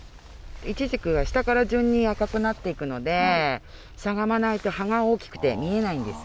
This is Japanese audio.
いちじくは下から順に赤くなっていくので、しゃがまないと葉が大きくて見えないんです。